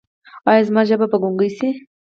ایا زما ژبه به ګونګۍ شي؟